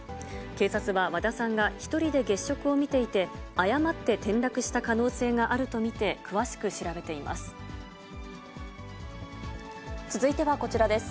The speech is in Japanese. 警察は和田さんが１人で月食を見ていて、誤って転落した可能性があると見て詳しく調べています。